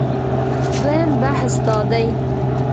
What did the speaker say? دویم بحث دا دی